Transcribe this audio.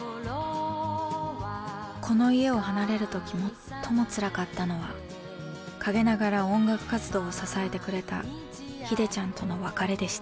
この家を離れる時最もつらかったのは陰ながら音楽活動を支えてくれた秀ちゃんとの別れでした。